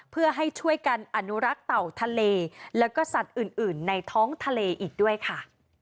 เพื่อให้ช่วยกันอนุรักษ์เต่าทะเลแล้วก็สัตว์อื่นในท้องทะเลอีกด้วยค่ะ